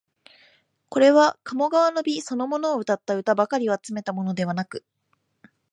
これは鴨川の美そのものをうたった歌ばかりを集めたものではなく、